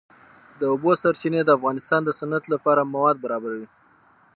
د اوبو سرچینې د افغانستان د صنعت لپاره مواد برابروي.